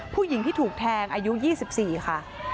ผู้หญิงที่ถูกแทงอายุ๒๔ค่ะ